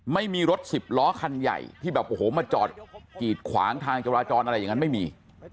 ไม่มีรถสิบล้อคันใหญ่ที่แบบโอ้โหมาจอดกีดขวางทางจราจรอะไรอย่างนั้นไม่มี